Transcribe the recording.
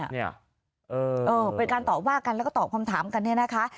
เนี่ยเออเป็นการตอบว่ากันแล้วก็ตอบคำถามกันเนี่ยนะคะ